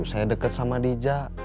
saya deket sama dija